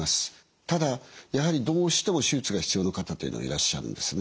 ただやはりどうしても手術が必要な方というのはいらっしゃるんですね。